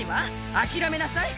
諦めなさい。